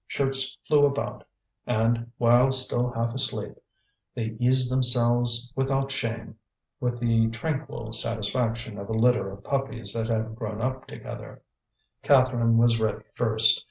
Shirts flew about: and, while still half asleep, they eased themselves without shame, with the tranquil satisfaction of a litter of puppies that have grown up together. Catherine was ready first.